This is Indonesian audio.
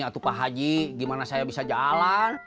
atau pak haji gimana saya bisa jalan